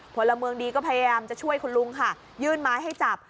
พลเมืองดีก็พยายามจะช่วยคุณลุงค่ะยื่นไม้ให้จับ